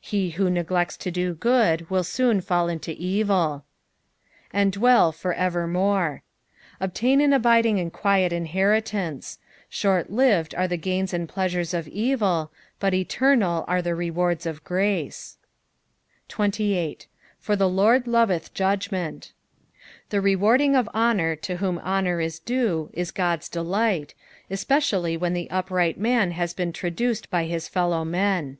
He who neglects to do good will BOOD fall into evil. '^ And dvieU for entrmon." Obtain an abiding and quiet iaheritance. Btiortlived are the gains and pleasures of «ril, but eternal are the lewaida of grace. 28. " J/W the Lord lowth judgment." The awarding of honour to whom honour is due is Qod's delight, cspedallj when the upright man has been tra duced by his fellow men.